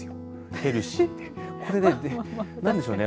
ヘルシーでこれねなんでしょうね。